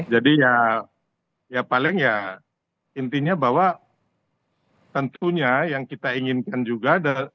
jadi yang paling intinya yang kita inginkan adalah